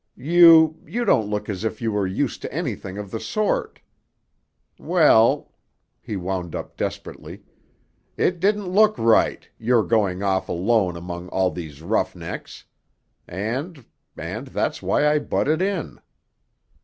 You—you didn't look as if you were used to anything of the sort——Well," he wound up desperately, "it didn't look right, your going off alone among all these roughnecks; and—and that's why I butted in."